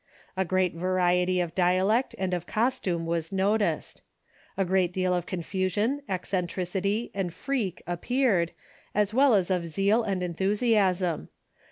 A great variety of dialect and of costume was noticed. A great deal of confu sion, eccentricity, and freak appeared, as well as of zeal and enthusiasm.